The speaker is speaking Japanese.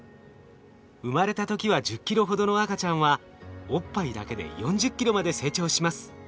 生まれた時は１０ｋｇほどの赤ちゃんはおっぱいだけで４０ｋｇまで成長します。